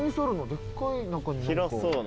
でっかい中に何か。